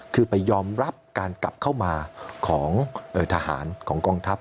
คือไปยอมรับการกลับเข้ามาของทหารของกองทัพ